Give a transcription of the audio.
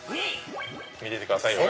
見ててくださいよ。